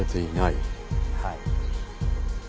はい。